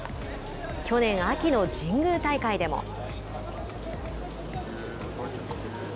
去年秋の神宮大会でも。